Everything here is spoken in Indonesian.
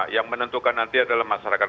yang menentukan nanti adalah masyarakat